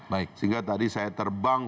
sehingga tadi saya terbang